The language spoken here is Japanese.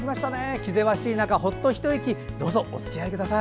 気ぜわしい中、ほっとひと息どうぞおつきあいください。